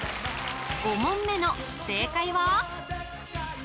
５問目の正解は？